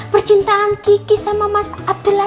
percintaan kiki sama mas abdullah